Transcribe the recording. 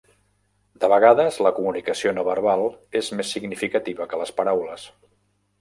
De vegades, la comunicació no verbal és més significativa que les paraules.